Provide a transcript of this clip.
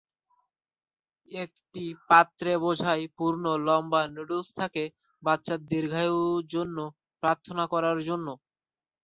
একটি পাত্রে বোঝাই পূর্ণ লম্বা নুডলস থাকে বাচ্চার দীর্ঘায়ু জন্য প্রার্থনা করার জন্য।